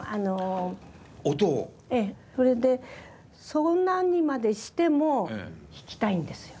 そんなにまでしても弾きたいんですよ。